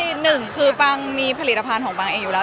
หนึ่งคือปังมีผลิตภัณฑ์ของปังเองอยู่แล้ว